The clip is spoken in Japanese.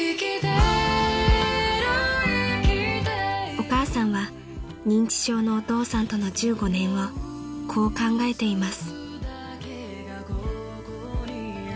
［お母さんは認知症のお父さんとの１５年をこう考えています］